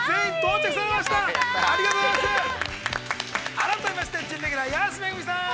改めまして準レギュラー、安めぐみさん。